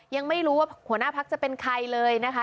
ยังไม่รู้ว่าหัวหน้าพักจะเป็นใครเลยนะคะ